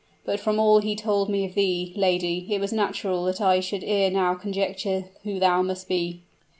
But from all he told me of thee, lady, it was natural that I should ere now conjecture who thou must be."